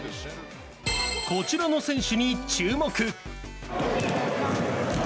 こちらの選手に注目。